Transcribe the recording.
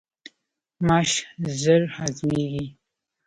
ماش ژر هضمیږي.